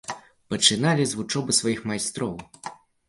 Пачыналі з вучобы сваіх майстроў.